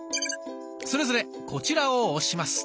それぞれこちらを押します。